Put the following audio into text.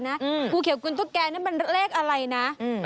อิ่มไปเป็นปีเลยน่ะ